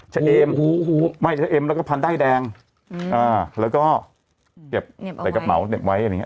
เอ็มไม่ชะเอ็มแล้วก็พันด้ายแดงแล้วก็เก็บใส่กระเป๋าเห็บไว้อะไรอย่างนี้